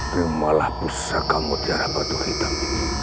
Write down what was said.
temalah pusaka mudiarah batu hitam